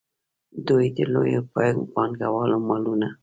دوی د لویو پانګوالو مالونه.